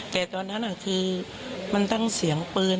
แต่ตอนนั้นคือมันทั้งเสียงปืน